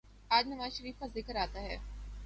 آج نواز شریف کا ذکر آتا ہے۔